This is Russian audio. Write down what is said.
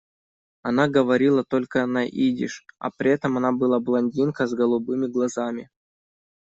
Она говорила только на идиш, а при этом она была блондинка с голубыми глазами.